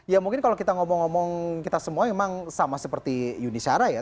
ya mungkin kalau kita ngomong ngomong kita semua memang sama seperti yuni syara ya